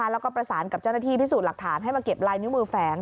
แล้วก็ประสานกับเจ้าหน้าที่พิสูจน์หลักฐานให้มาเก็บลายนิ้วมือแฝง